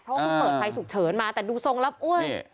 เพราะว่าเพิ่งเปิดไฟฉุกเฉินมาแต่ดูทรงรับอ้วน